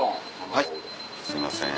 はいすいません。